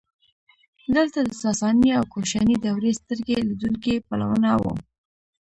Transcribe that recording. دلته د ساساني او کوشاني دورې سترګې لیدونکي پلونه وو